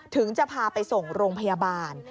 ถึงจะพาไปส่งโรงพยาบาล